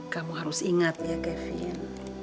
kamu harus ingat ya kevin